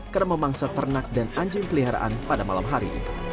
karena memangsa ternak dan anjing peliharaan pada malam hari